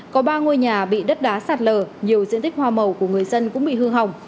có ba ngôi nhà bị đất đá sạt lở nhiều diện tích hoa màu của người dân cũng bị hư hỏng